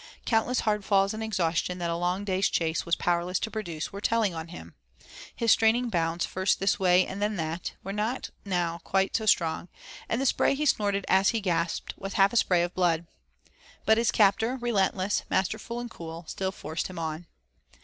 Countless hard falls and exhaustion that a long day's chase was powerless to produce were telling on him; his straining bounds first this way and then that, were not now quite so strong, and the spray he snorted as he gasped was half a spray of blood. But his captor, relentless, masterful and cool, still forced him on.